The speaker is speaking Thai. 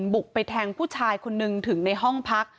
บุกไปแทงผู้ชายคนนึงถึงในห้องพัก